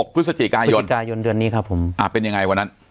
พฤศจิกายนกายนเดือนนี้ครับผมอ่าเป็นยังไงวันนั้น